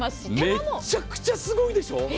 めちゃくちゃすごいでしょ。